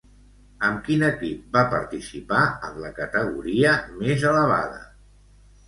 Amb quin equip va participar en la categoria més elevada?